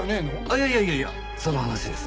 いやいやいやいやその話です。